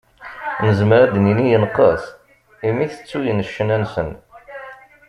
Nezmer ad d-nini yenqes imi tettuyen ccna-nsen.